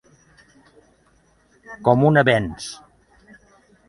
Com un avenc.